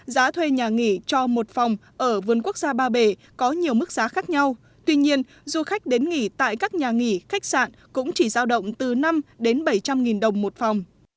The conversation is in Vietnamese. giá thuê nhà nghỉ cho một phòng ở vườn quốc gia ba bể có nhiều mức giá khác nhau tuy nhiên du khách đến nghỉ tại các nhà nghỉ khách sạn cũng chỉ giao động từ năm đến bảy trăm linh nghìn đồng một phòng